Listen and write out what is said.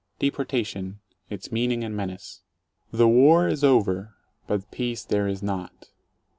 4 DEPORTATION— Its Meaning and Menace THE war is over, but peace there is not.